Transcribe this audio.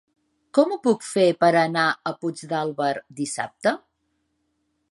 Com ho puc fer per anar a Puigdàlber dissabte?